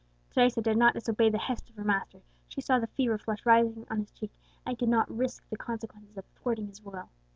Teresa dared not disobey the hest of her master; she saw the fever flush rising on his cheek, and could not risk the consequences of thwarting his will.